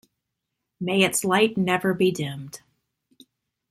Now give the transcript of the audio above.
May its light never be dimmed.